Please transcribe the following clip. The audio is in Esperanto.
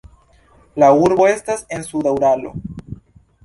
La urbo estas en suda Uralo.